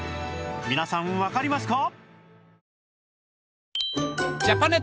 皆さんわかりますか？